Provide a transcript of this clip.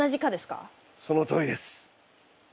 そのとおりです。